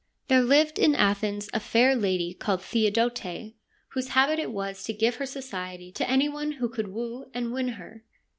There lived in Athens a fair lady called Theodote, whose habit it was to give her society to any one who could woo and win her.